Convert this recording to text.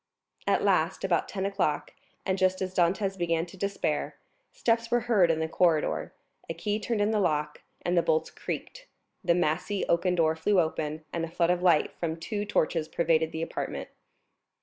At last, about ten o'clock, and just as Dantès began to despair, steps were heard in the corridor, a key turned in the lock, the bolts creaked, the massy oaken door flew open, and a flood of light from two torches pervaded the apartment.